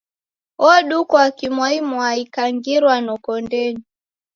Odukwa kimwaimwai kangirwa noko ndenyi.